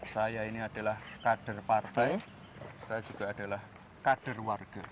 saya ini adalah kader partai saya juga adalah kader warga